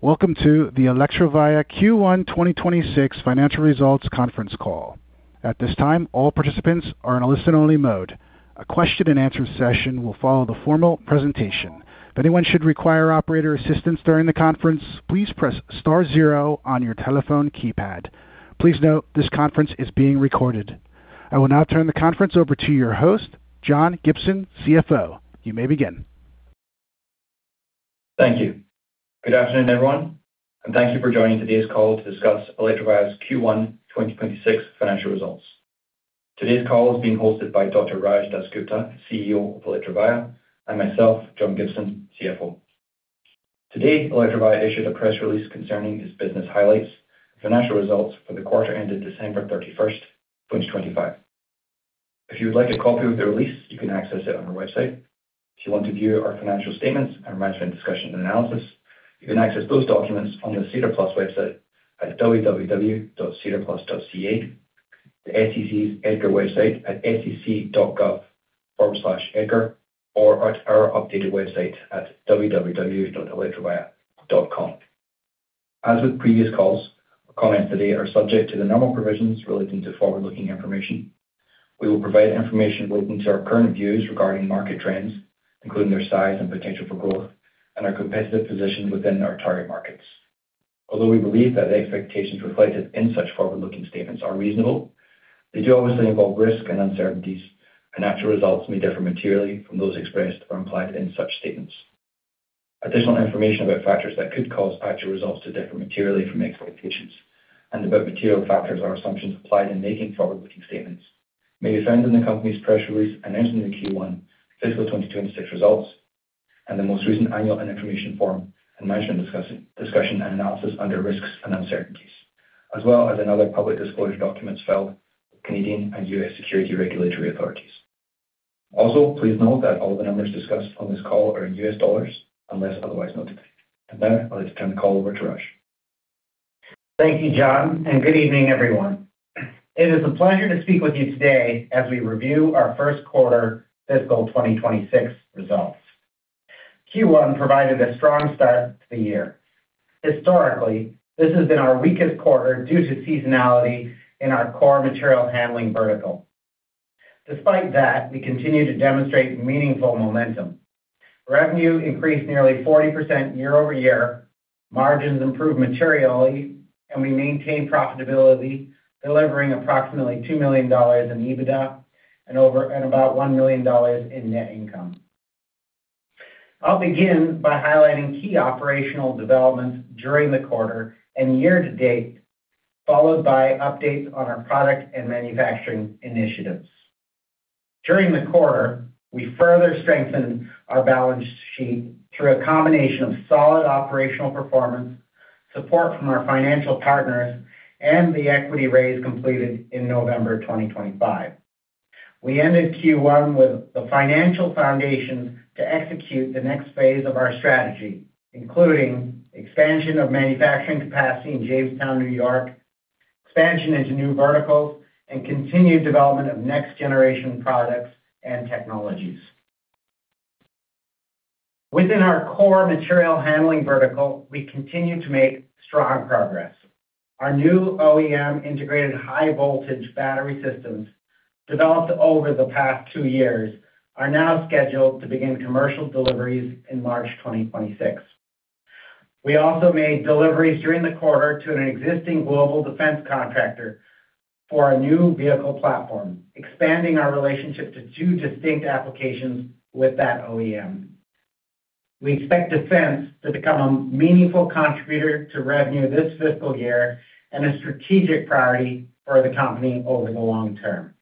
Welcome to the Electrovaya Q1 2026 Financial Results Conference Call. At this time, all participants are in a listen-only mode. A question and answer session will follow the formal presentation. If anyone should require operator assistance during the conference, please press star zero on your telephone keypad. Please note, this conference is being recorded. I will now turn the conference over to your host, John Gibson, CFO. You may begin. Thank you. Good afternoon, everyone, and thank you for joining today's call to discuss Electrovaya's Q1 2026 financial results. Today's call is being hosted by Dr. Raj DasGupta, CEO of Electrovaya, and myself, John Gibson, CFO. Today, Electrovaya issued a press release concerning its business highlights, financial results for the quarter ended December 31, 2025. If you would like a copy of the release, you can access it on our website. If you want to view our financial statements and management discussion and analysis, you can access those documents on the SEDAR+ website at www.sedarplus.ca, the SEC's EDGAR website at sec.gov/edgar, or at our updated website at www.electrovaya.com. As with previous calls, comments today are subject to the normal provisions relating to forward-looking information. We will provide information relating to our current views regarding market trends, including their size and potential for growth and our competitive position within our target markets. Although we believe that the expectations reflected in such forward-looking statements are reasonable, they do obviously involve risks and uncertainties, and actual results may differ materially from those expressed or implied in such statements. Additional information about factors that could cause actual results to differ materially from expectations and about material factors or assumptions applied in making forward-looking statements may be found in the company's press release announcing the Q1 fiscal 2026 results and the most recent Annual Information Form and Management's Discussion and Analysis under Risks and Uncertainties, as well as in other public disclosure documents filed with Canadian and U.S. securities regulatory authorities. Also, please note that all the numbers discussed on this call are in U.S. dollars, unless otherwise noted. Now I'd like to turn the call over to Raj. Thank you, John, and good evening, everyone. It is a pleasure to speak with you today as we review our first quarter fiscal 2026 results. Q1 provided a strong start to the year. Historically, this has been our weakest quarter due to seasonality in our core material handling vertical. Despite that, we continue to demonstrate meaningful momentum. Revenue increased nearly 40% year-over-year, margins improved materially, and we maintained profitability, delivering approximately $2 million in EBITDA and over and about $1 million in net income. I'll begin by highlighting key operational developments during the quarter and year-to-date, followed by updates on our product and manufacturing initiatives. During the quarter, we further strengthened our balance sheet through a combination of solid operational performance, support from our financial partners, and the equity raise completed in November 2025. We ended Q1 with the financial foundation to execute the next phase of our strategy, including expansion of manufacturing capacity in Jamestown, New York, expansion into new verticals, and continued development of next-generation products and technologies. Within our core material handling vertical, we continue to make strong progress. Our new OEM integrated high-voltage battery systems, developed over the past 2 years, are now scheduled to begin commercial deliveries in March 2026. We also made deliveries during the quarter to an existing global defense contractor for our new vehicle platform, expanding our relationship to two distinct applications with that OEM. We expect Defense to become a meaningful contributor to revenue this fiscal year and a strategic priority for the company over the long term.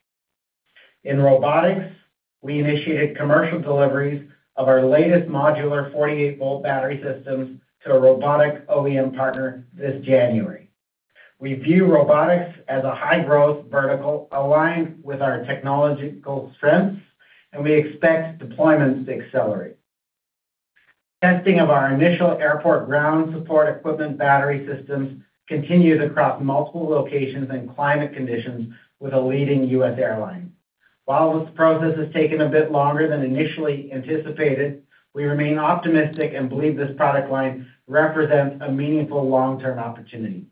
In robotics, we initiated commercial deliveries of our latest modular 48-volt battery systems to a robotic OEM partner this January. We view robotics as a high-growth vertical aligned with our technological strengths, and we expect deployments to accelerate. Testing of our initial airport ground support equipment battery systems continues across multiple locations and climate conditions with a leading U.S. airline. While this process has taken a bit longer than initially anticipated, we remain optimistic and believe this product line represents a meaningful long-term opportunity.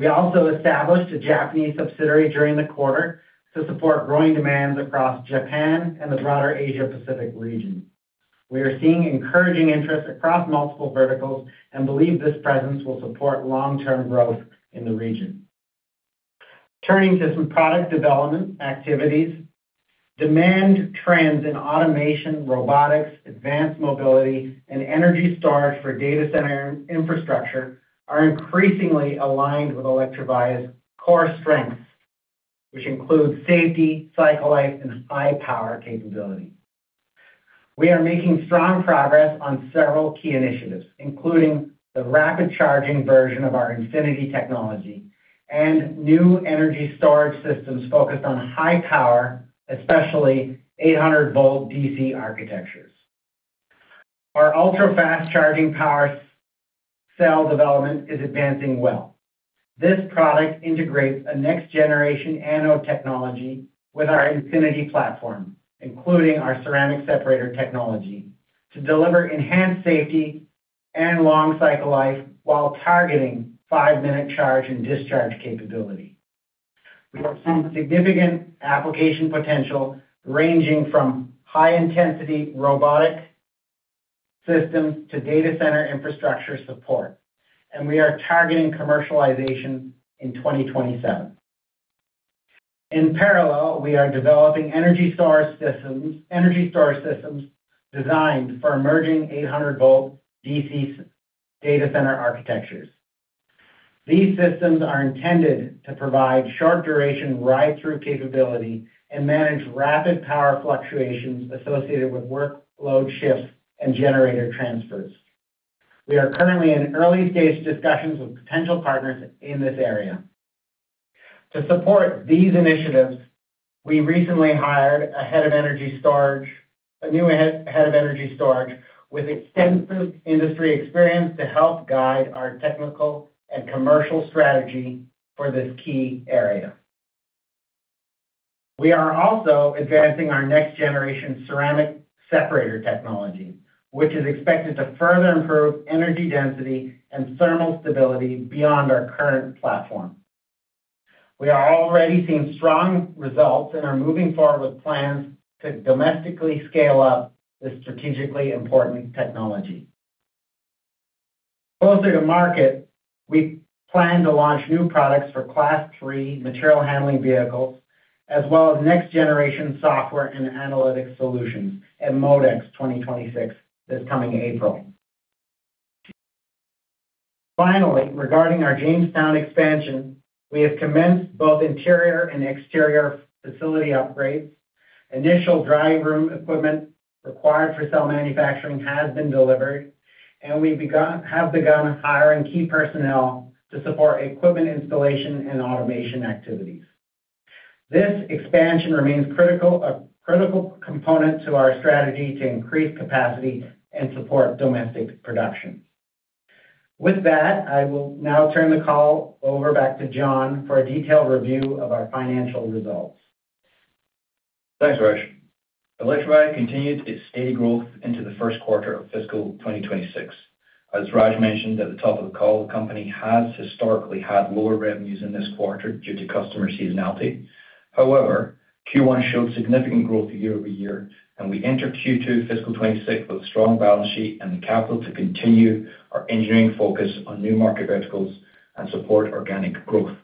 We also established a Japanese subsidiary during the quarter to support growing demands across Japan and the broader Asia Pacific region. We are seeing encouraging interest across multiple verticals and believe this presence will support long-term growth in the region. Turning to some product development activities. Demand trends in automation, robotics, advanced mobility, and energy storage for data center infrastructure are increasingly aligned with Electrovaya's core strengths, which include safety, cycle life, and high-power capability. We are making strong progress on several key initiatives, including the rapid charging version of our Infinity technology and new energy storage systems focused on high power, especially 800-volt DC architectures. Our ultra-fast charging power system cell development is advancing well. This product integrates a next-generation anode technology with our Infinity platform, including our ceramic separator technology, to deliver enhanced safety and long cycle life while targeting five-minute charge and discharge capability. We have seen significant application potential, ranging from high intensity robotic systems to data center infrastructure support, and we are targeting commercialization in 2027. In parallel, we are developing energy storage systems, energy storage systems designed for emerging 800-volt DC data center architectures. These systems are intended to provide short duration ride-through capability and manage rapid power fluctuations associated with workload shifts and generator transfers. We are currently in early-stage discussions with potential partners in this area. To support these initiatives, we recently hired a new head of energy storage with extensive industry experience to help guide our technical and commercial strategy for this key area. We are also advancing our next generation ceramic separator technology, which is expected to further improve energy density and thermal stability beyond our current platform. We are already seeing strong results and are moving forward with plans to domestically scale up this strategically important technology. Closer to market, we plan to launch new products for Class 3 material handling vehicles, as well as next generation software and analytics solutions at MODEX 2026, this coming April. Finally, regarding our Jamestown expansion, we have commenced both interior and exterior facility upgrades. Initial dry room equipment required for cell manufacturing has been delivered, and we've begun hiring key personnel to support equipment installation and automation activities. This expansion remains a critical component to our strategy to increase capacity and support domestic production. With that, I will now turn the call over back to John for a detailed review of our financial results. Thanks, Raj. Electrovaya continued its steady growth into the first quarter of fiscal 2026. As Raj mentioned at the top of the call, the company has historically had lower revenues in this quarter due to customer seasonality. However, Q1 showed significant growth year-over-year, and we entered Q2 fiscal 2026 with a strong balance sheet and the capital to continue our engineering focus on new market verticals and support organic growth.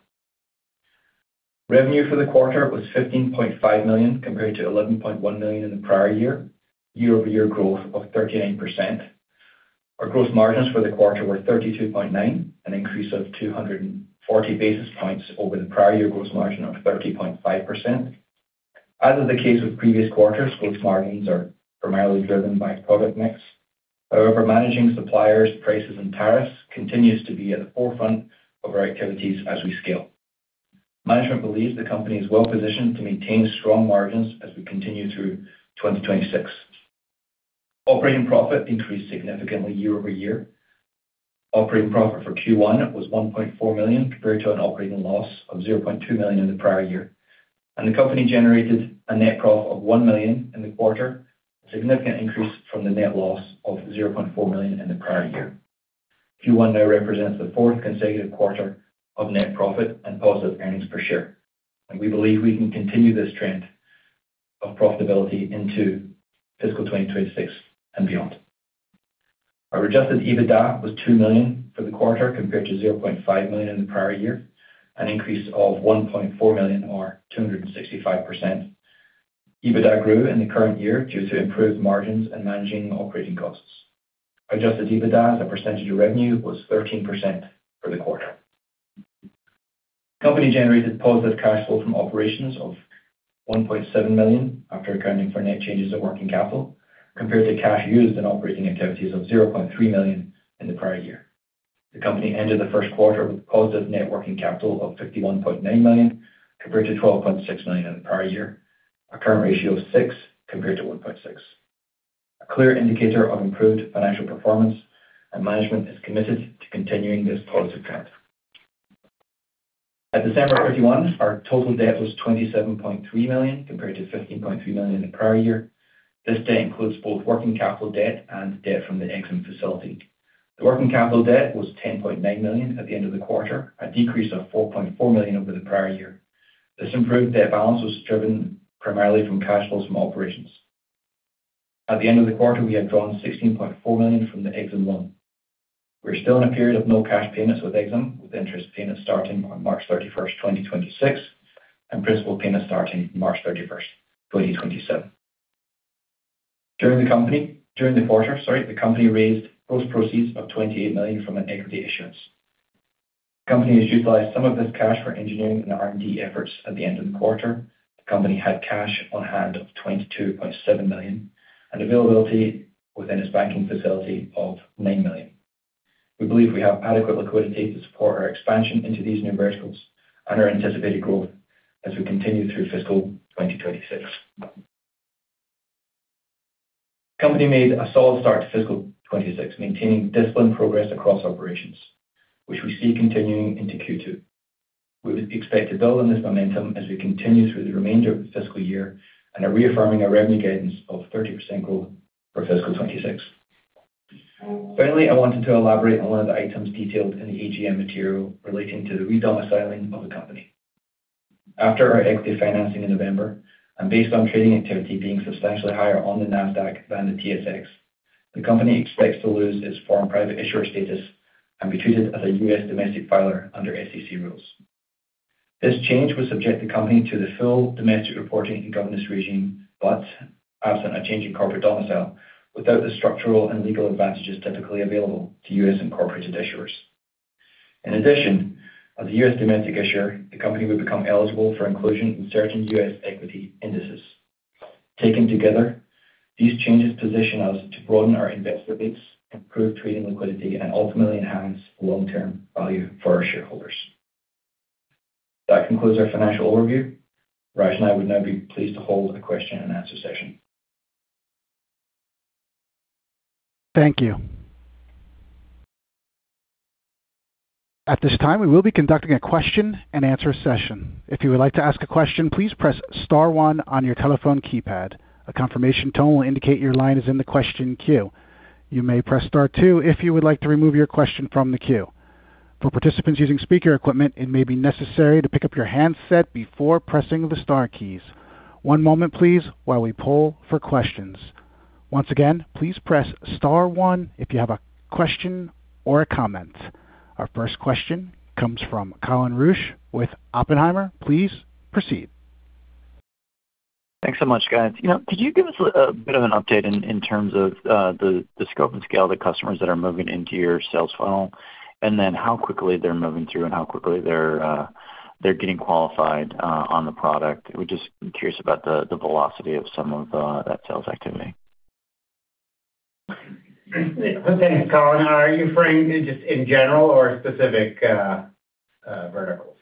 Revenue for the quarter was $15.5 million, compared to $11.1 million in the prior year. Year-over-year growth of 39%. Our gross margins for the quarter were 32.9%, an increase of 240 basis points over the prior year gross margin of 30.5%. As is the case with previous quarters, gross margins are primarily driven by product mix. However, managing suppliers, prices, and tariffs continues to be at the forefront of our activities as we scale. Management believes the company is well-positioned to maintain strong margins as we continue through 2026. Operating profit increased significantly year-over-year. Operating profit for Q1 was $1.4 million, compared to an operating loss of $0.2 million in the prior year, and the company generated a net profit of $1 million in the quarter, a significant increase from the net loss of $0.4 million in the prior year. Q1 now represents the fourth consecutive quarter of net profit and positive earnings per share, and we believe we can continue this trend of profitability into fiscal 2026 and beyond. Our adjusted EBITDA was $2 million for the quarter, compared to $0.5 million in the prior year, an increase of $1.4 million, or 265%. EBITDA grew in the current year due to improved margins and managing operating costs. Adjusted EBITDA as a percentage of revenue was 13% for the quarter. The company generated positive cash flow from operations of $1.7 million, after accounting for net changes in working capital, compared to cash used in operating activities of $0.3 million in the prior year. The company ended the first quarter with positive net working capital of $51.9 million, compared to $12.6 million in the prior year, a current ratio of 6 compared to 1.6. A clear indicator of improved financial performance and management is committed to continuing this positive trend. At December 31, our total debt was $27.3 million, compared to $15.3 million in the prior year. This debt includes both working capital debt and debt from the EXIM facility. The working capital debt was $10.9 million at the end of the quarter, a decrease of $4.4 million over the prior year. This improved debt balance was driven primarily from cash flows from operations. At the end of the quarter, we had drawn $16.4 million from the EXIM loan. We're still in a period of no cash payments with EXIM, with interest payments starting on March 31, 2026, and principal payments starting March 31, 2027. During the quarter, sorry, the company raised gross proceeds of $28 million from an equity issuance. The company has utilized some of this cash for engineering and R&D efforts at the end of the quarter. The company had cash on hand of $22.7 million and availability within its banking facility of $9 million. We believe we have adequate liquidity to support our expansion into these new verticals and our anticipated growth as we continue through fiscal 2026. The company made a solid start to fiscal 2026, maintaining disciplined progress across operations, which we see continuing into Q2. We expect to build on this momentum as we continue through the remainder of the fiscal year and are reaffirming our revenue guidance of 30% growth for fiscal 2026. Finally, I wanted to elaborate on one of the items detailed in the AGM material relating to the re-domiciling of the company. After our equity financing in November, and based on trading activity being substantially higher on the Nasdaq than the TSX, the company expects to lose its foreign private issuer status and be treated as a U.S. domestic filer under SEC rules. This change will subject the company to the full domestic reporting and governance regime, but absent a change in corporate domicile, without the structural and legal advantages typically available to U.S.-incorporated issuers. In addition, as a U.S. domestic issuer, the company will become eligible for inclusion in certain U.S. equity indices. Taken together, these changes position us to broaden our investor base, improve trading liquidity, and ultimately enhance long-term value for our shareholders. That concludes our financial overview. Raj and I would now be pleased to hold the question and answer session. Thank you. At this time, we will be conducting a question and answer session. If you would like to ask a question, please press star one on your telephone keypad. A confirmation tone will indicate your line is in the question queue. You may press star two if you would like to remove your question from the queue. For participants using speaker equipment, it may be necessary to pick up your handset before pressing the star keys. One moment please, while we poll for questions. Once again, please press star one if you have a question or a comment. Our first question comes from Colin Rusch with Oppenheimer. Please proceed. Thanks so much, guys. You know, could you give us a bit of an update in terms of the scope and scale of the customers that are moving into your sales funnel, and then how quickly they're moving through and how quickly they're getting qualified on the product? We're just curious about the velocity of some of that sales activity. Thanks, Colin. Are you referring to just in general or specific verticals?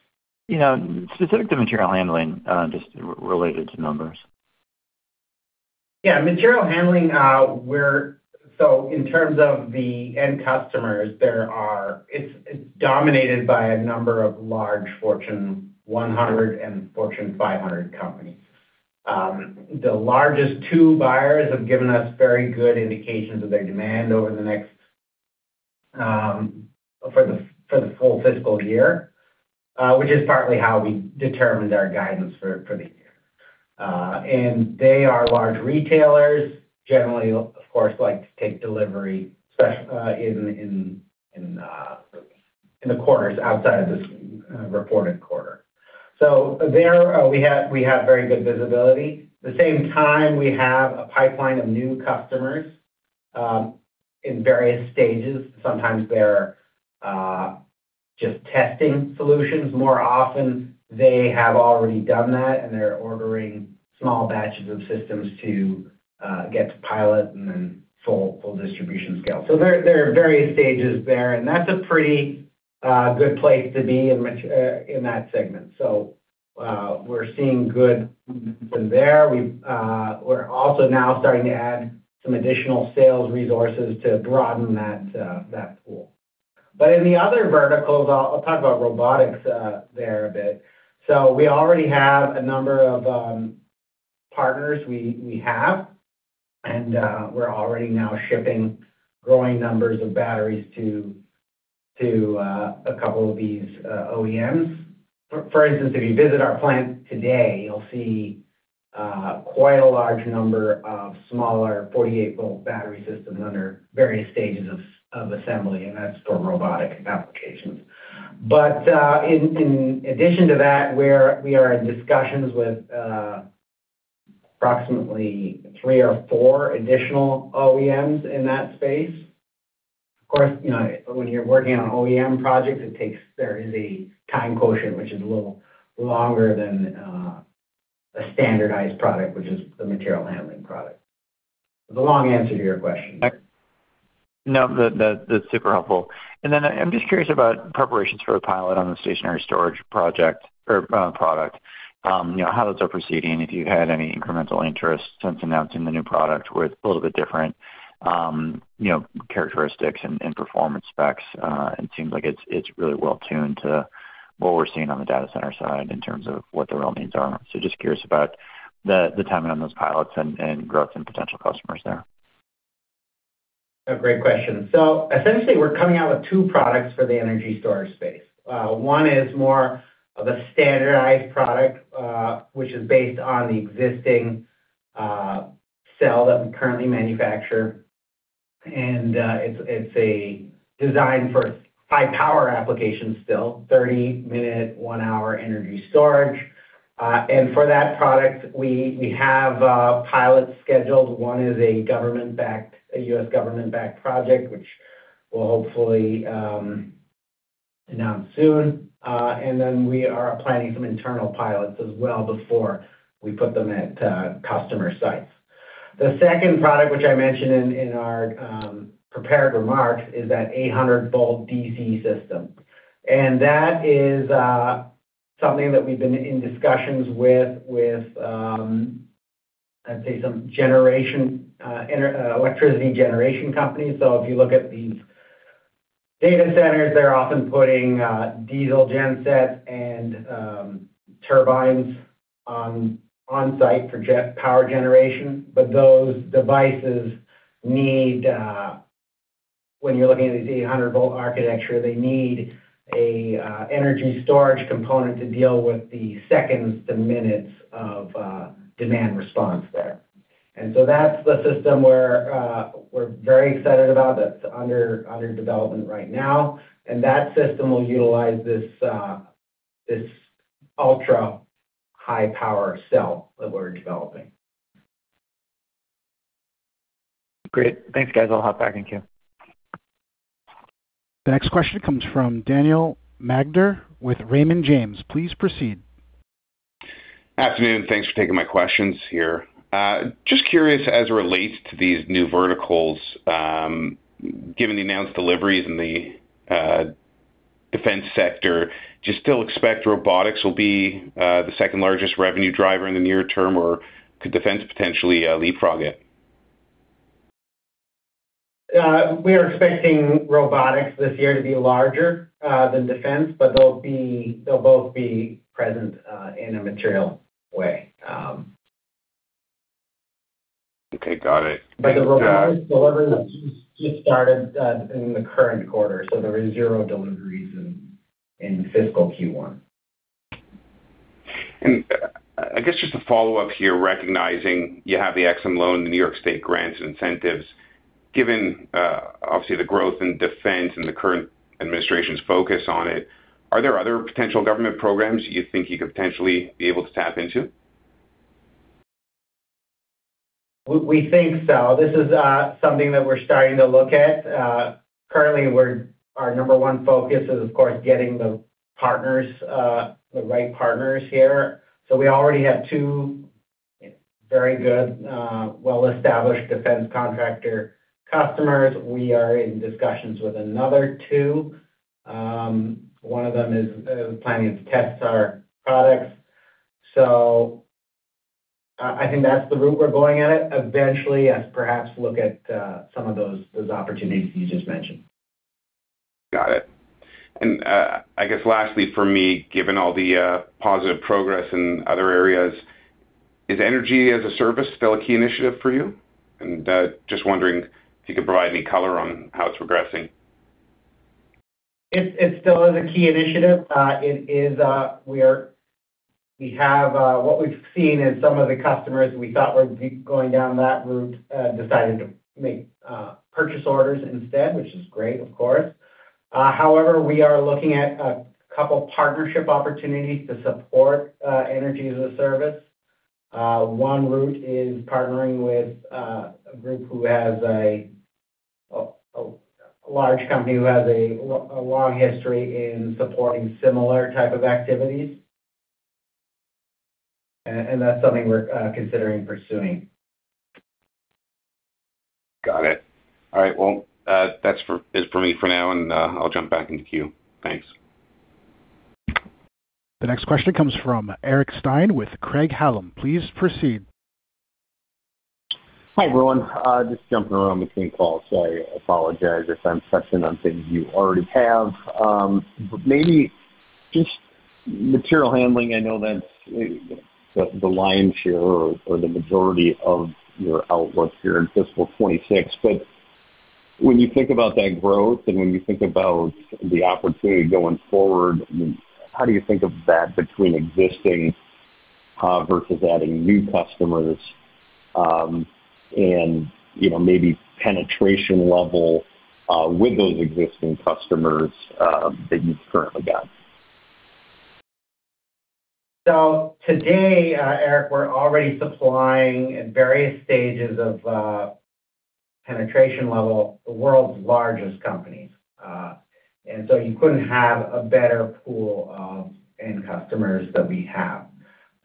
You know, specific to material handling, just related to numbers. Yeah, Material Handling. So in terms of the end customers, there are, it's dominated by a number of large Fortune 100 and Fortune 500 companies. The largest two buyers have given us very good indications of their demand over the next— for the full fiscal year, which is partly how we determined our guidance for the year. And they are large retailers, generally, of course, like to take delivery, especially in the quarters outside of this reported quarter. So there, we have very good visibility. At the same time, we have a pipeline of new customers in various stages. Sometimes they're just testing solutions. More often, they have already done that, and they're ordering small batches of systems to get to pilot and then full, full distribution scale. So there, there are various stages there, and that's a pretty good place to be in that segment. So, we're seeing good from there. We're also now starting to add some additional sales resources to broaden that pool. But in the other verticals, I'll talk about robotics there a bit. So we already have a number of partners we have, and we're already now shipping growing numbers of batteries to a couple of these OEMs. For instance, if you visit our plant today, you'll see quite a large number of smaller 48-volt battery systems under various stages of assembly, and that's for robotic applications. But, in addition to that, we're, we are in discussions with approximately three or four additional OEMs in that space. Of course, you know, when you're working on OEM projects, it takes, there is a time quotient, which is a little longer than a standardized product, which is the material handling product. The long answer to your question. No, that, that, that's super helpful. And then I'm just curious about preparations for the pilot on the stationary storage project or, product. How those are proceeding, if you had any incremental interest since announcing the new product, where it's a little bit different, you know, characteristics and, and performance specs. It seems like it's, it's really well-tuned to what we're seeing on the data center side in terms of what the real needs are? So just curious about the, the timing on those pilots and, and growth and potential customers there. A great question. So essentially, we're coming out with two products for the energy storage space. One is more of a standardized product, which is based on the existing cell that we currently manufacture. And it's a design for high power applications, still 30-minute, 1-hour energy storage. And for that product, we have pilots scheduled. One is a government-backed, a U.S. government-backed project, which we'll hopefully announce soon. And then we are planning some internal pilots as well before we put them at customer sites. The second product, which I mentioned in our prepared remarks, is that 800-volt DC system. And that is something that we've been in discussions with, I'd say some generation, electricity generation companies. So if you look at these data centers, they're often putting diesel gensets and turbines on-site for jet power generation. But those devices need, when you're looking at these 800-volt architecture, they need a energy storage component to deal with the seconds to minutes of demand response there. And so that's the system we're very excited about. That's under development right now, and that system will utilize this ultra-high power cell that we're developing. Great. Thanks, guys. I'll hop back in queue. The next question comes from Daniel Magder with Raymond James. Please proceed. Afternoon, thanks for taking my questions here. Just curious, as it relates to these new verticals, given the announced deliveries in the defense sector, do you still expect robotics will be the second largest revenue driver in the near term, or could defense potentially leapfrog it? We are expecting robotics this year to be larger than defense, but they'll both be present in a material way. Okay, got it. The robotics deliveries have just started in the current quarter, so there were zero deliveries in fiscal Q1. And I guess just a follow-up here, recognizing you have the EXIM loan, the New York State grants and incentives. Given, obviously, the growth in defense and the current administration's focus on it, are there other potential government programs you think you could potentially be able to tap into? We think so. This is something that we're starting to look at. Currently, our number one focus is, of course, getting the partners, the right partners here. So we already have two very good, well-established defense contractor customers. We are in discussions with another two. One of them is planning to test our products. So, I think that's the route we're going at it. Eventually, as perhaps look at some of those opportunities you just mentioned. Got it. And, I guess lastly for me, given all the positive progress in other areas, is energy as a service still a key initiative for you? And, just wondering if you could provide any color on how it's progressing. It still is a key initiative. It is, we are—we have, what we've seen is some of the customers we thought would be going down that route, decided to make, purchase orders instead, which is great, of course. However, we are looking at a couple partnership opportunities to support energy as a service. One route is partnering with a group who has a large company who has a long history in supporting similar type of activities. And that's something we're considering pursuing. Got it. All right. Well, that's it for me for now, and I'll jump back in the queue. Thanks. The next question comes from Eric Stine with Craig-Hallum. Please proceed. Hi, everyone. Just jumping around between calls, so I apologize if I'm touching on things you already have. But maybe just material handling, I know that's the lion's share or the majority of your outlook here in fiscal 2026. But when you think about that growth and when you think about the opportunity going forward, how do you think of that between existing versus adding new customers, and, you know, maybe penetration level with those existing customers that you've currently got? So today, Eric, we're already supplying at various stages of penetration level, the world's largest companies. And so you couldn't have a better pool of end customers than we have.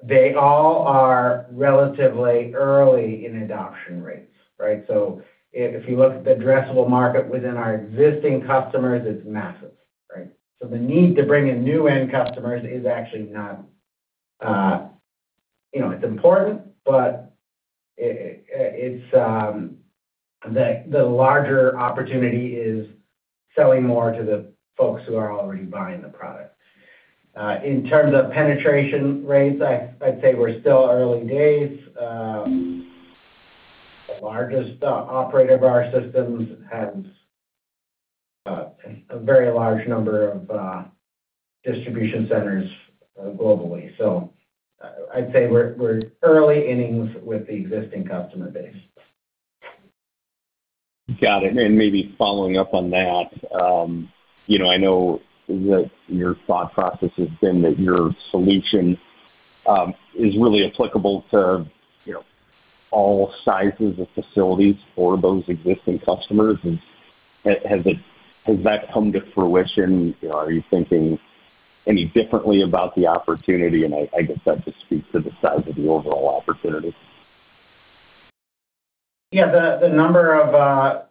They all are relatively early in adoption rates, right? So if you look at the addressable market within our existing customers, it's massive, right? So the need to bring in new end customers is actually not, you know, it's important, but it's the larger opportunity is selling more to the folks who are already buying the product. In terms of penetration rates, I'd say we're still early days. The largest operator of our systems has a very large number of distribution centers globally. So I'd say we're early innings with the existing customer base. Got it. And maybe following up on that, you know, I know that your thought process has been that your solution is really applicable to, you know, all sizes of facilities for those existing customers. And has that come to fruition? Are you thinking any differently about the opportunity? And I guess that just speaks to the size of the overall opportunity. Yeah, the number of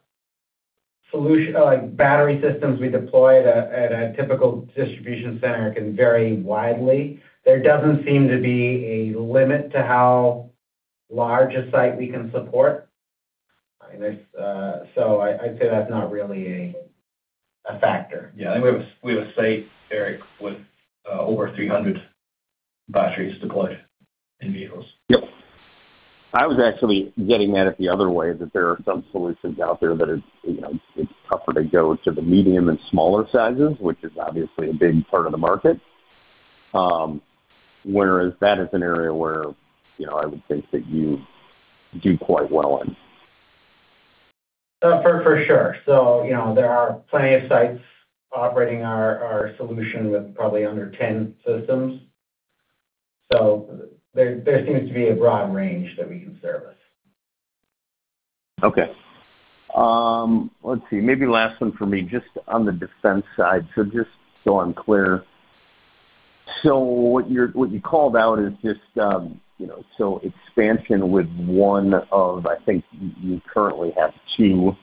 solutions—battery systems we deploy at a typical distribution center can vary widely. There doesn't seem to be a limit to how large a site we can support. And it's so I'd say that's not really a factor. Yeah, I think we have a site, Eric, with over 300 batteries deployed in vehicles. Yep. I was actually getting at it the other way, that there are some solutions out there that it's, you know, it's tougher to go to the medium and smaller sizes, which is obviously a big part of the market. Whereas that is an area where, you know, I would think that you do quite well in. For sure. So, you know, there are plenty of sites operating our solution with probably under 10 systems. So there seems to be a broad range that we can service. Okay. Let's see. Maybe last one for me, just on the defense side. So just so I'm clear, so what you called out is just, you know, so expansion with one of, I think, you currently have two,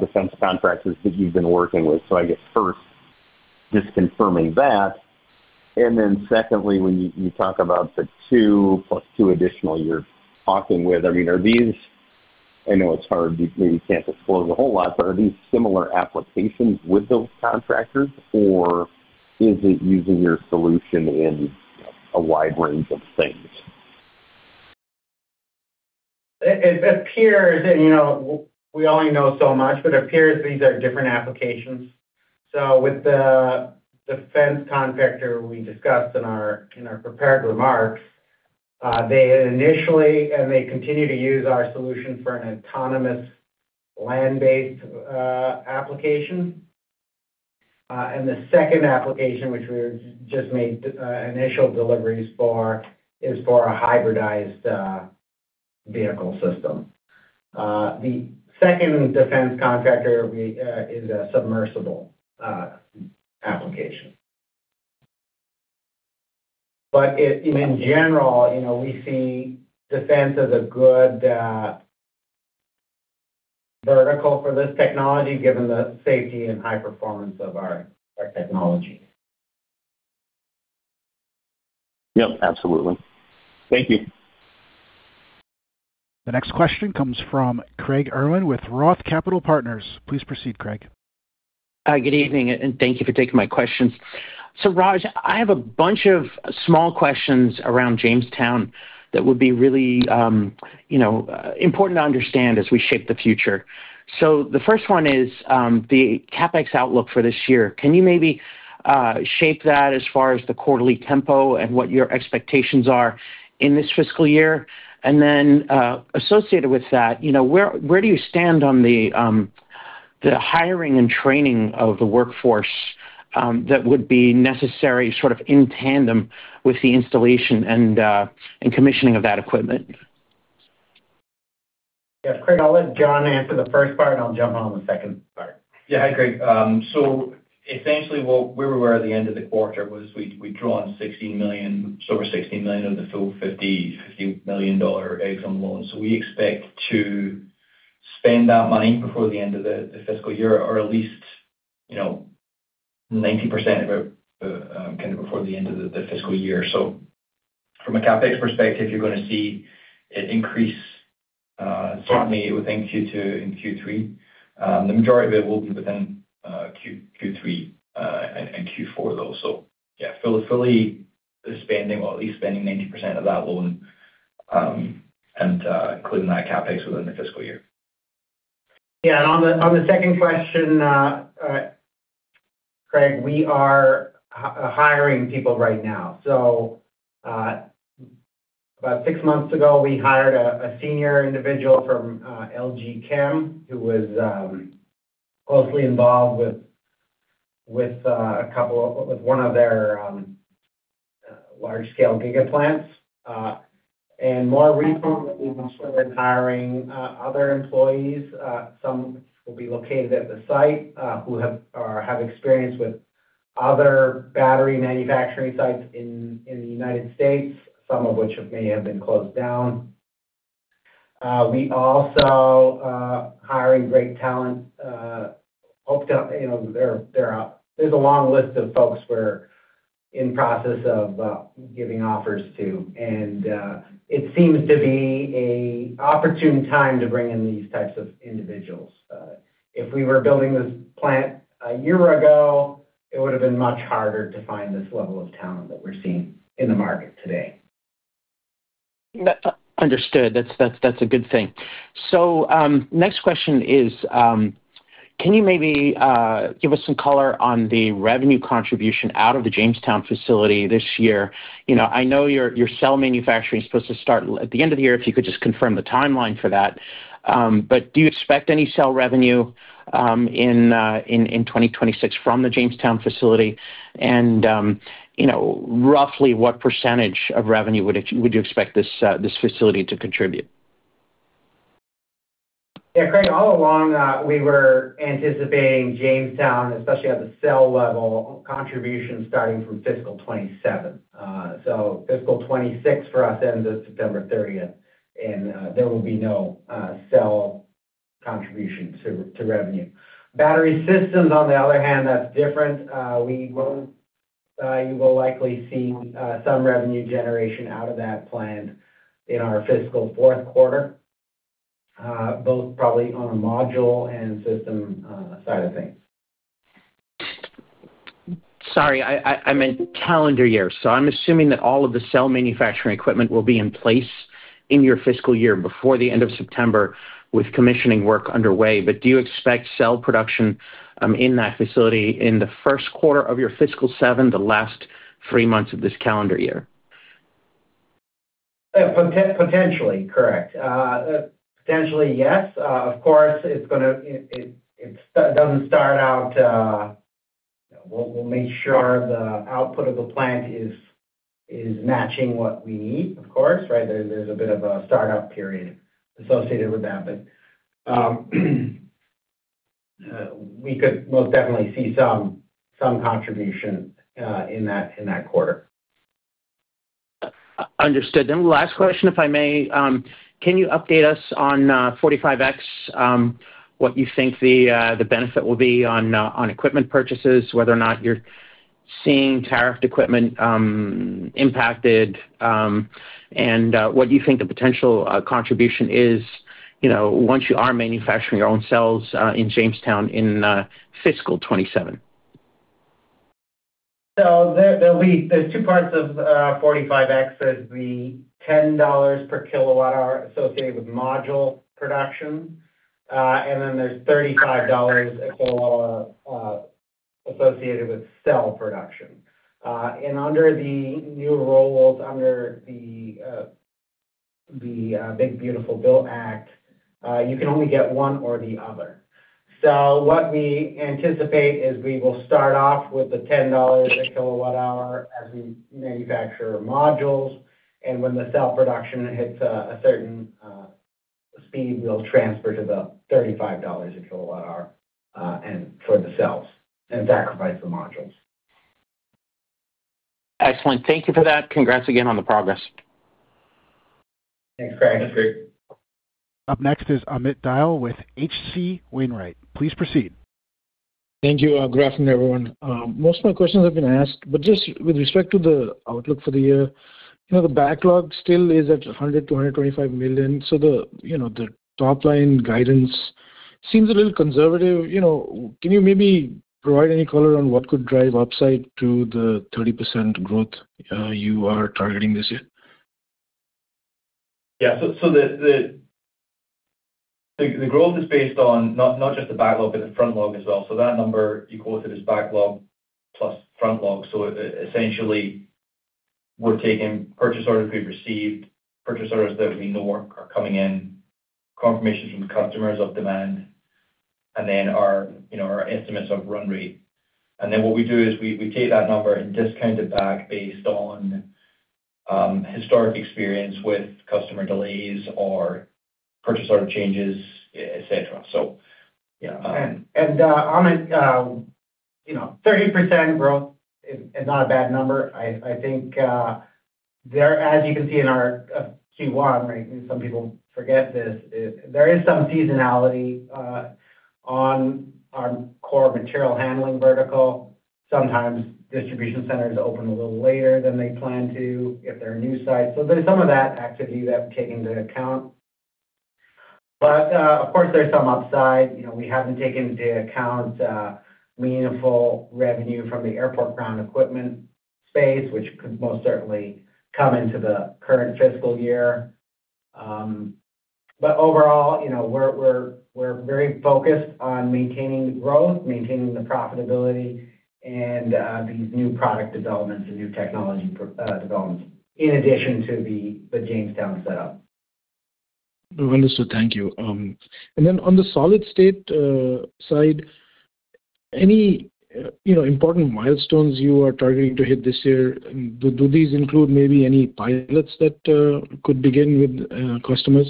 defense contractors that you've been working with. So I guess first, just confirming that. And then secondly, when you talk about the two plus two additional you're talking with, I mean, are these... I know it's hard, you maybe can't disclose a whole lot, but are these similar applications with those contractors, or is it using your solution in a wide range of things? It appears, you know, we only know so much, but it appears these are different applications. So with the defense contractor we discussed in our prepared remarks, they initially, and they continue to use our solution for an autonomous land-based application. And the second application, which we just made initial deliveries for, is for a hybridized vehicle system. The second defense contractor is a submersible application. But in general, you know, we see defense as a good vertical for this technology, given the safety and high performance of our technology. Yep, absolutely. Thank you. The next question comes from Craig Irwin with Roth Capital Partners. Please proceed, Craig. Hi, good evening, and thank you for taking my questions. So, Raj, I have a bunch of small questions around Jamestown that would be really, you know, important to understand as we shape the future. So the first one is, the CapEx outlook for this year. Can you maybe, shape that as far as the quarterly tempo and what your expectations are in this fiscal year? And then, associated with that, you know, where, where do you stand on the, the hiring and training of the workforce, that would be necessary, sort of in tandem with the installation and, and commissioning of that equipment? Yes, Craig, I'll let John answer the first part, and I'll jump on the second part. Yeah. Hi, Craig. So essentially, where we were at the end of the quarter was we'd drawn $16 million, just over $16 million of the full $50 million EXIM loan. So we expect to spend that money before the end of the fiscal year, or at least, you know, 90% of it, kind of before the end of the fiscal year. So from a CapEx perspective, you're gonna see an increase, certainly within Q2 and Q3. The majority of it will be within Q3 and Q4, though. So yeah, fully spending, or at least spending 90% of that loan, and including that CapEx within the fiscal year. Yeah, and on the second question, Craig, we are hiring people right now. So, about six months ago, we hired a senior individual from LG Chem, who was closely involved with one of their large-scale giga plants. And more recently, we've started hiring other employees. Some will be located at the site, who have experience with other battery manufacturing sites in the United States, some of which may have been closed down. We also hiring great talent, hoped to, you know, there's a long list of folks we're in process of giving offers to, and it seems to be an opportune time to bring in these types of individuals. If we were building this plant a year ago, it would have been much harder to find this level of talent that we're seeing in the market today. Understood. That's a good thing. So, next question is, can you maybe give us some color on the revenue contribution out of the Jamestown facility this year? You know, I know your cell manufacturing is supposed to start at the end of the year, if you could just confirm the timeline for that. But do you expect any cell revenue in 2026 from the Jamestown facility? And, you know, roughly what percentage of revenue would you expect this facility to contribute? Yeah, Craig, all along, we were anticipating Jamestown, especially at the cell level, contribution starting from fiscal 2027. So fiscal 2026 for us ends at September 30th, and there will be no cell contribution to revenue. Battery systems, on the other hand, that's different. We will, you will likely see, some revenue generation out of that plant in our fiscal fourth quarter, both probably on a module and system side of things. Sorry, I meant calendar year. So I'm assuming that all of the cell manufacturing equipment will be in place in your fiscal year before the end of September, with commissioning work underway. But do you expect cell production in that facility in the first quarter of your fiscal seven, the last three months of this calendar year? Yeah, potentially, correct. Potentially, yes. Of course, it's gonna. It doesn't start out. We'll make sure the output of the plant is matching what we need, of course, right? There's a bit of a start-up period associated with that, but we could most definitely see some contribution in that quarter. Understood. Last question, if I may. Can you update us on 45X, what you think the benefit will be on equipment purchases, whether or not you're seeing tariffed equipment impacted, and what you think the potential contribution is, you know, once you are manufacturing your own cells in Jamestown in fiscal 2027? So there'll be two parts of 45X. There's the $10 per kWh associated with module production, and then there's $35 per kWh associated with cell production. And under the new rules, under the Big Beautiful Bill Act, you can only get one or the other. So what we anticipate is we will start off with the $10 per kWh as we manufacture modules, and when the cell production hits a certain speed, we'll transfer to the $35 per kWh and for the cells and sacrifice the modules. Excellent. Thank you for that. Congrats again on the progress. Thanks, Craig. Up next is Amit Dayal with H.C. Wainwright. Please proceed. Thank you. Good afternoon, everyone. Most of my questions have been asked, but just with respect to the outlook for the year, you know, the backlog still is at $100 million-$125 million. So the, you know, the top-line guidance seems a little conservative. You know, can you maybe provide any color on what could drive upside to the 30% growth you are targeting this year? Yeah. So the growth is based on not just the backlog, but the frontlog as well. So that number you quoted is backlog plus frontlog. So essentially, we're taking purchase orders we've received, purchase orders that we know are coming in, confirmation from customers of demand, and then our, you know, our estimates of run rate. And then what we do is we take that number and discount it back based on historic experience with customer delays or purchase order changes, et cetera. So, yeah. Amit, you know, 30% growth is not a bad number. I think there, as you can see in our Q1, right, and some people forget this, there is some seasonality on our core material handling vertical. Sometimes distribution centers open a little later than they plan to, if they're a new site. So there's some of that activity you have to take into account. But, of course, there's some upside. You know, we haven't taken into account meaningful revenue from the airport ground equipment space, which could most certainly come into the current fiscal year. But overall, you know, we're very focused on maintaining growth, maintaining the profitability, and these new product developments and new technology developments, in addition to the Jamestown setup. Understood. Thank you. And then on the solid-state side, any you know important milestones you are targeting to hit this year? Do these include maybe any pilots that could begin with customers?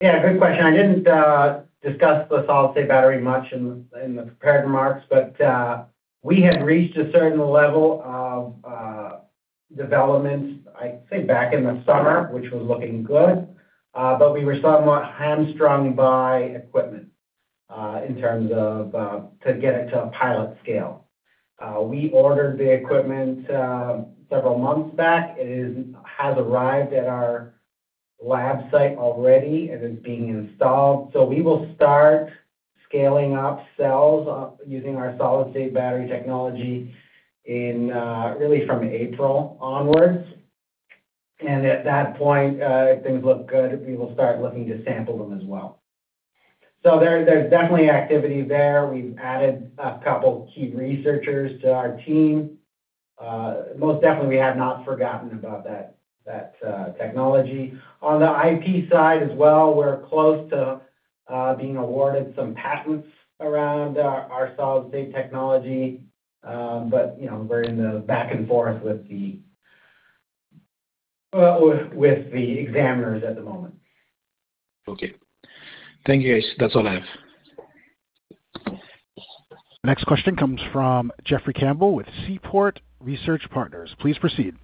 Yeah, good question. I didn't discuss the solid-state battery much in the prepared remarks, but we had reached a certain level of development, I'd say, back in the summer, which was looking good, but we were somewhat hamstrung by equipment in terms of to get it to a pilot scale. We ordered the equipment several months back. It has arrived at our lab site already and is being installed. So we will start scaling up cells using our solid-state battery technology really from April onwards. And at that point, if things look good, we will start looking to sample them as well. So there's definitely activity there. We've added a couple of key researchers to our team. Most definitely, we have not forgotten about that technology. On the IP side as well, we're close to being awarded some patents around our solid-state technology, but, you know, we're in the back and forth with the examiners at the moment. Okay. Thank you, guys. That's all I have. Next question comes from Jeffrey Campbell with Seaport Research Partners. Please proceed.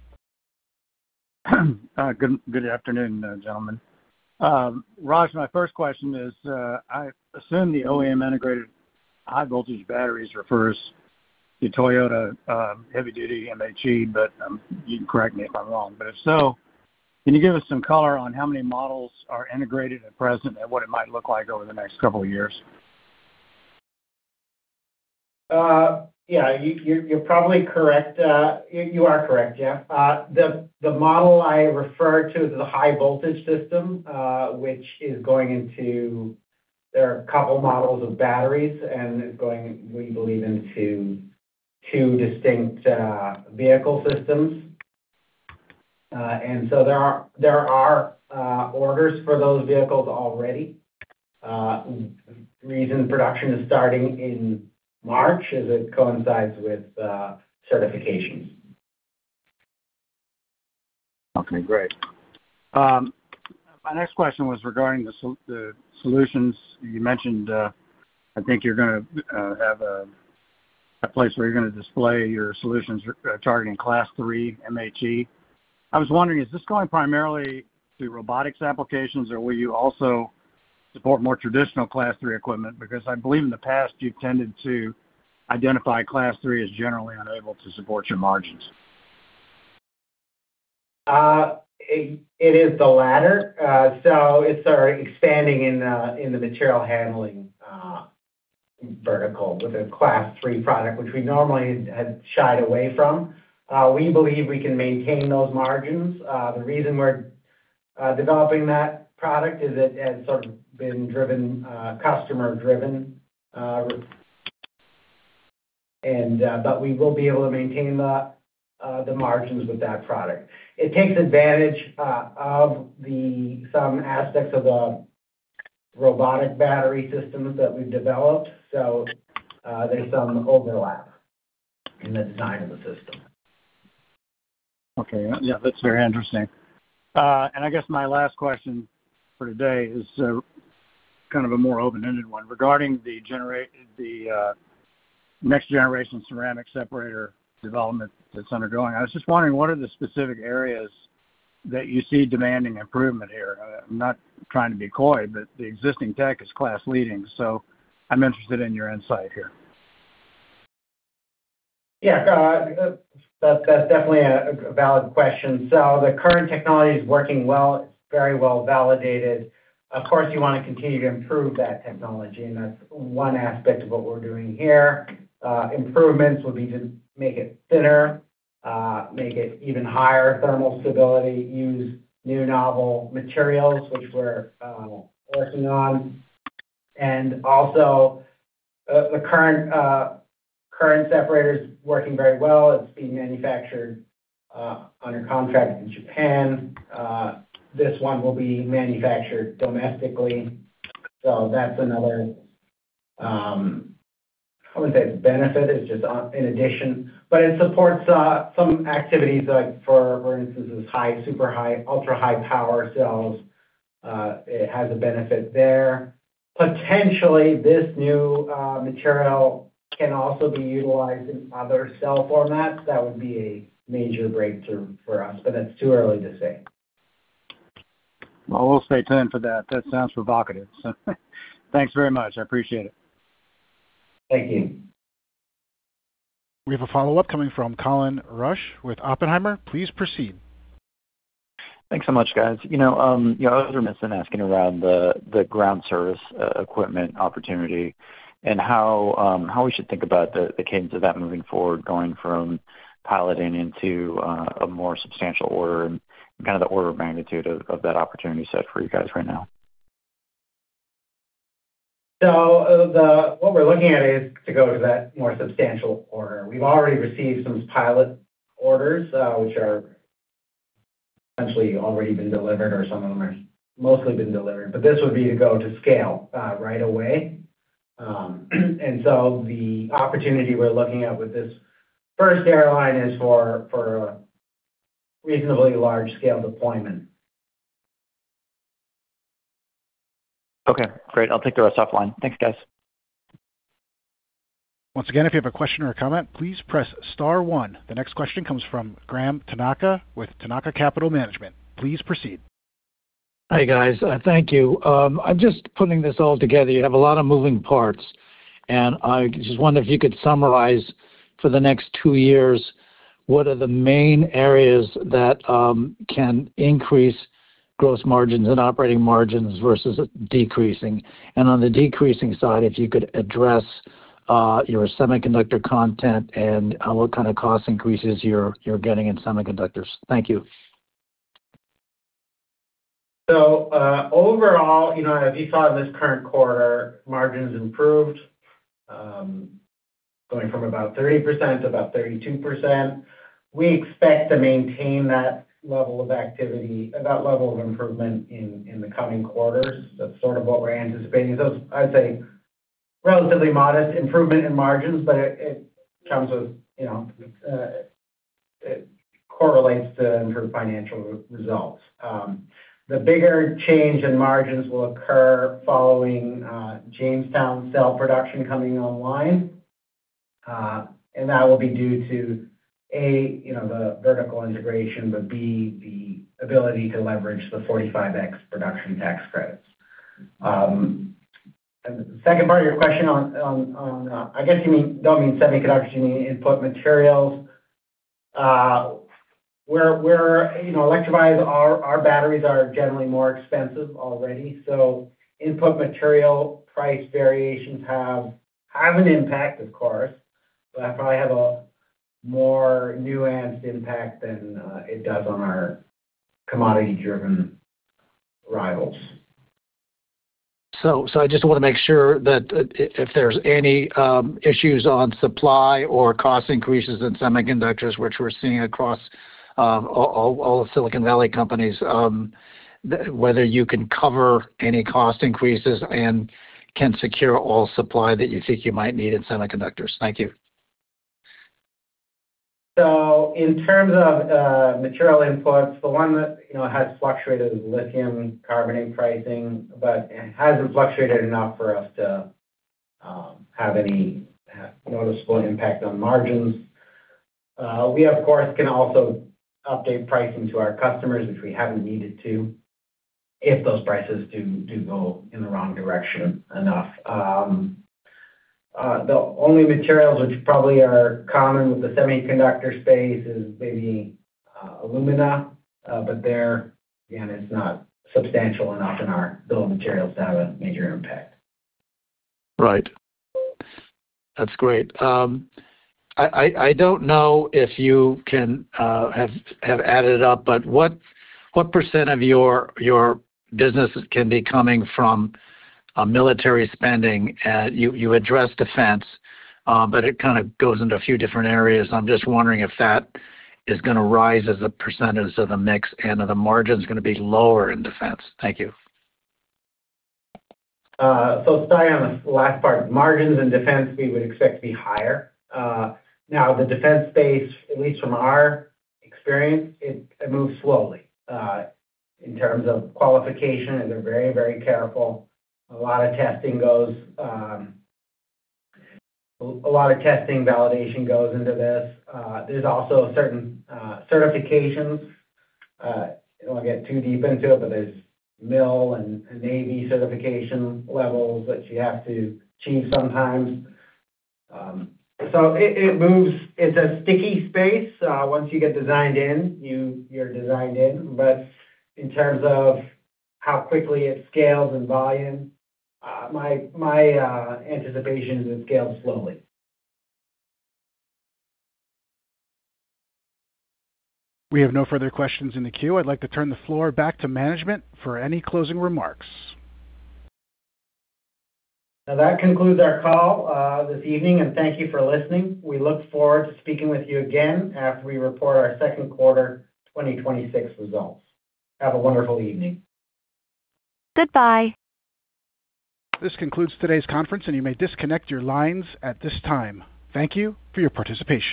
Good afternoon, gentlemen. Raj, my first question is, I assume the OEM integrated high-voltage batteries refers to Toyota heavy-duty MHE, but you can correct me if I'm wrong. If so, can you give us some color on how many models are integrated at present, and what it might look like over the next couple of years? Yeah, you're probably correct. You are correct, yeah. The model I referred to is a high-voltage system, which is going into... There are a couple models of batteries and is going, we believe, into two distinct vehicle systems. And so there are orders for those vehicles already. The reason production is starting in March is it coincides with certification. Okay, great. My next question was regarding the solutions you mentioned. I think you're gonna have a place where you're gonna display your solutions targeting Class III MHE. I was wondering, is this going primarily to robotics applications, or will you also support more traditional Class III equipment? Because I believe in the past, you've tended to identify Class III as generally unable to support your margins. It is the latter. So it's our expanding in the material handling vertical with a Class III product, which we normally had shied away from. We believe we can maintain those margins. The reason we're developing that product is it has sort of been driven customer-driven, and but we will be able to maintain the margins with that product. It takes advantage of some aspects of the robotic battery systems that we've developed, so there's some overlap in the design of the system. Okay. Yeah, that's very interesting. And I guess my last question for today is kind of a more open-ended one regarding the next-generation ceramic separator development that's undergoing. I was just wondering, what are the specific areas that you see demanding improvement here? I'm not trying to be coy, but the existing tech is class-leading, so I'm interested in your insight here. Yeah, that's definitely a valid question. So the current technology is working well. It's very well-validated. Of course, you wanna continue to improve that technology, and that's one aspect of what we're doing here. Improvements would be to make it thinner, make it even higher thermal stability, use new novel materials, which we're working on. And also, the current separator is working very well. It's being manufactured under contract in Japan. This one will be manufactured domestically. So that's another, I wouldn't say benefit, it's just an addition. But it supports some activities, like, for instance, this high, super high, ultra-high power cells. It has a benefit there. Potentially, this new material can also be utilized in other cell formats. That would be a major breakthrough for us, but it's too early to say. Well, we'll stay tuned for that. That sounds provocative. So thanks very much. I appreciate it. Thank you. We have a follow-up coming from Colin Rusch with Oppenheimer. Please proceed. Thanks so much, guys. You know, you know, I was missing asking around the ground service equipment opportunity and how we should think about the cadence of that moving forward, going from piloting into a more substantial order and kind of the order of magnitude of that opportunity set for you guys right now? What we're looking at is to go to that more substantial order. We've already received some pilot orders, which are essentially already been delivered or some of them are mostly been delivered, but this would be a go to scale, right away. And so the opportunity we're looking at with this first airline is for, for a reasonably large-scale deployment. Okay, great. I'll take the rest offline. Thanks, guys. Once again, if you have a question or a comment, please press star one. The next question comes from Graham Tanaka with Tanaka Capital Management. Please proceed. Hi, guys. Thank you. I'm just putting this all together. You have a lot of moving parts, and I just wonder if you could summarize for the next two years, what are the main areas that can increase gross margins and operating margins versus decreasing? And on the decreasing side, if you could address your semiconductor content and what kind of cost increases you're getting in semiconductors. Thank you. So, overall, you know, as you saw in this current quarter, margins improved, going from about 30% to about 32%. We expect to maintain that level of activity, that level of improvement in the coming quarters. That's sort of what we're anticipating. Those, I'd say, relatively modest improvement in margins, but it comes with, you know, it correlates to improved financial results. The bigger change in margins will occur following Jamestown cell production coming online, and that will be due to, A, you know, the vertical integration, but B, the ability to leverage the 45X production tax credits. And the second part of your question on, I guess you mean—you don't mean semiconductors, you mean input materials. We're, you know, Electrovaya, our batteries are generally more expensive already, so input material price variations have an impact, of course, but I probably have a more nuanced impact than it does on our commodity-driven rivals. So, I just want to make sure that if there's any issues on supply or cost increases in semiconductors, which we're seeing across all Silicon Valley companies, whether you can cover any cost increases and can secure all supply that you think you might need in semiconductors. Thank you. So in terms of material inputs, the one that, you know, has fluctuated is lithium carbonate pricing, but it hasn't fluctuated enough for us to have any noticeable impact on margins. We, of course, can also update pricing to our customers, which we haven't needed to, if those prices do go in the wrong direction enough. The only materials which probably are common with the semiconductor space is maybe alumina, but there, again, it's not substantial enough in our bill of materials to have a major impact. Right. That's great. I don't know if you can have added it up, but what percent of your business can be coming from military spending? You addressed defense, but it kind of goes into a few different areas. I'm just wondering if that is gonna rise as a percentage of the mix and are the margins gonna be lower in defense? Thank you. So sorry, on the last part, margins in defense, we would expect to be higher. Now, the defense space, at least from our experience, it moves slowly in terms of qualification, and they're very, very careful. A lot of testing validation goes into this. There's also certain certifications. I don't want to get too deep into it, but there's MIL and Navy certification levels that you have to achieve sometimes. So it moves... It's a sticky space. Once you get designed in, you're designed in. But in terms of how quickly it scales in volume, my anticipation is it scales slowly. We have no further questions in the queue. I'd like to turn the floor back to management for any closing remarks. Now, that concludes our call this evening, and thank you for listening. We look forward to speaking with you again after we report our second quarter 2026 results. Have a wonderful evening. Goodbye. This concludes today's conference, and you may disconnect your lines at this time. Thank you for your participation.